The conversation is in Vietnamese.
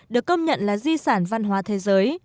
được công nhận là di sản văn hóa thế giới